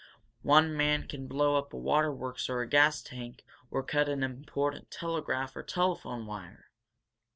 One man could blow up a waterworks or a gas tank or cut an important telegraph or telephone wire!"